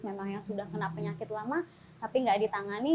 memang yang sudah kena penyakit lama tapi nggak ditangani